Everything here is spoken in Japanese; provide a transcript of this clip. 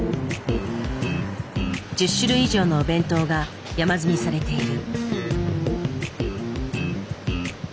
１０種類以上のお弁当が山積みされている。